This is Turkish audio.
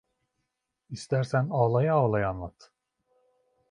İstersen ağlaya ağlaya anlat…